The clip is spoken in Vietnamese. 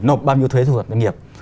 nộp bao nhiêu thuế thu hợp doanh nghiệp